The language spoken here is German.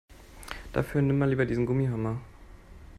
Dafür nimm mal lieber diesen Gummihammer.